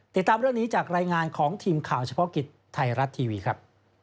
ติดตามเรื่องนี้จากรายงานของทีมข่าวเฉพาะกิจไทยรัฐทีวีครับ